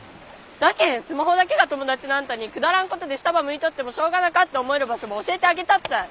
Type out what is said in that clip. だけんスマホだけが友だちのあんたにくだらんことで下ばむいとってもしょうがなかって思える場所ば教えてあげたったい。